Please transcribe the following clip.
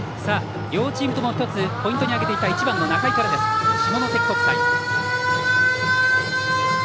両チームともポイントに挙げていた１番の仲井から、下関国際。